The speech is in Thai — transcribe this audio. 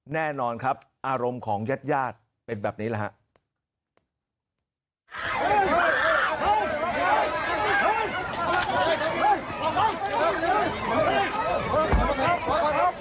แน่นอนครับอารมณ์ของญาติเป็นแบบนี้แหละครับ